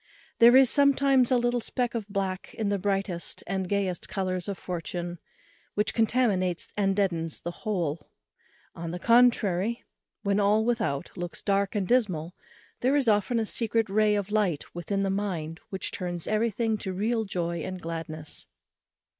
There is sometimes a little speck of black in the brightest and gayest colours of fortune, which contaminates and deadens the whole. On the contrary, when all without looks dark and dismal, there is often a secret ray of light within the mind, which turns everything to real joy and gladness.